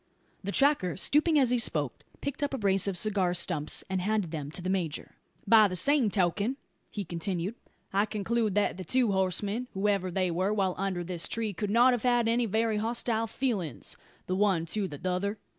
The tracker, stooping as he spoke, picked up a brace of cigar stumps, and handed them to the major. "By the same token," he continued, "I conclude that the two horsemen, whoever they were, while under this tree could not have had any very hostile feelins, the one to the tother.